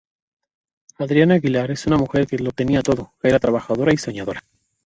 Adriana Aguilar es una mujer que lo tenía todo, era trabajadora y soñadora.